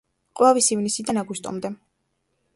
ყვავის ივნისიდან აგვისტომდე.